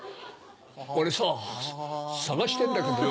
俺さ捜してんだけどよ。